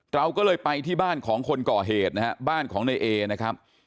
เราก็เลยไปที่บ้านของคนก่อเหตุนะฮะบ้านของในเอนะครับ